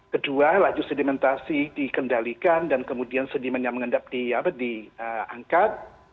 kedua laju sedimentasi dikendalikan dan kemudian sedimennya mengendap diangkat